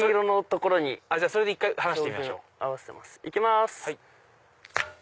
行きます！